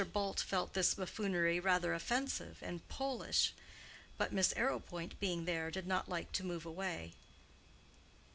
Bult felt this buffoonery rather offensive and Polish, but—Miss Arrowpoint being there—did not like to move away.